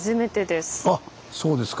あっそうですか。